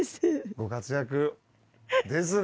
ご活躍ですね。